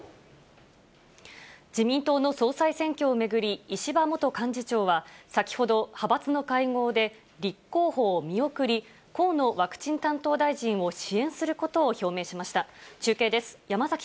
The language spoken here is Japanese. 自民党の総裁選挙を巡り、石破元幹事長は先ほど、派閥の会合で立候補を見送り、河野ワクチン担当大臣を支援することを表明しました。